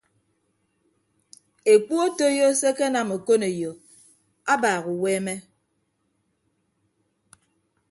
Ekpu otoiyo se ekenam okoneyo abaak uweeme.